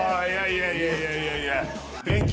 いやいやいやいや、元気？